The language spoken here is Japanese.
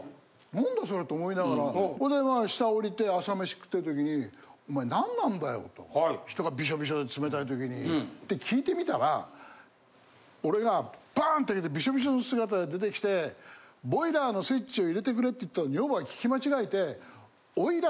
何だそれ？と思いながらほいでまあ下おりて朝飯食ってるときにお前何なんだよ？と人がビショビショで冷たい時にって聞いてみたら俺がバンッて開けてビショビショの姿で出てきて「ボイラーのスイッチを入れてくれ」って言ったの女房が聞き間違えて。